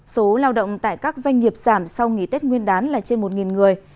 số lao động tại các doanh nghiệp giảm sau nghỉ tết nguyên đán là trên một người